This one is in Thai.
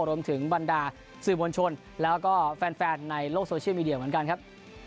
บรรดาสื่อมวลชนแล้วก็แฟนในโลกโซเชียลมีเดียเหมือนกันครับ